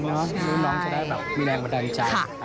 น้องจะได้แบบมีแรงมาดันใจ